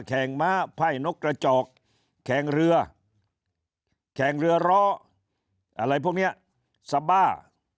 ม้าไพ่นกกระจอกแข่งเรือแข่งเรือร้ออะไรพวกนี้สบ้า